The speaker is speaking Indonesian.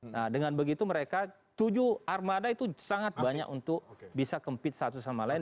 nah dengan begitu mereka tujuh armada itu sangat banyak untuk bisa kempit satu sama lain